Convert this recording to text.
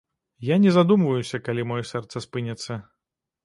Я не задумваюся, калі маё сэрца спыніцца.